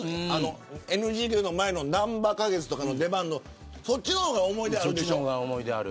ＮＧＫの前のなんば花月とかの出番のそっちの方が思い出ある。